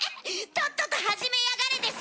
とっとと始めやがれです。